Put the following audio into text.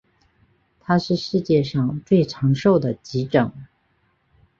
它是世界上最长寿的急诊。